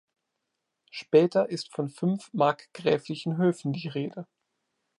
Später ist von fünf markgräflichen Höfen die Rede.